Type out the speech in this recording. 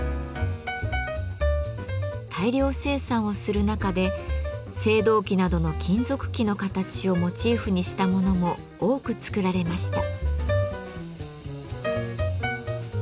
大量生産をする中で青銅器などの金属器の形をモチーフにしたものも多く作られました。